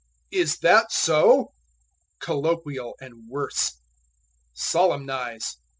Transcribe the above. "Is that so?" Colloquial and worse. Solemnize.